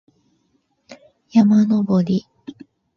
山登り